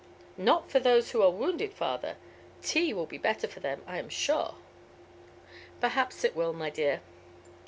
"Not for those who are wounded, father; tea will be better for them, I am sure." "Perhaps it will, my dear."